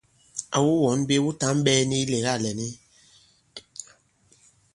Àwu wɔ̌ŋ mbe wu tǎŋ ɓɛ̄ɛ nik ilɛ̀gâ lɛ̀n i?